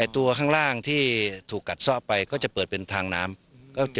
ตัวข้างล่างที่ถูกกัดซ่อไปก็จะเปิดเป็นทางน้ำ